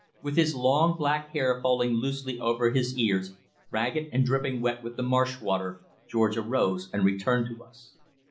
With his long black hair falling loosely over his ears, ragged, and dripping wet with the marsh water, George arose and returned to us.